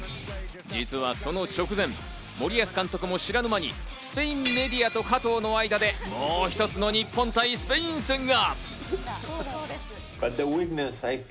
実はその直前、森保監督も知らぬ間にスペインメディアと加藤の間で、もう一つの日本対スペイン戦が。